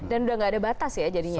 dan udah nggak ada batas ya jadinya ya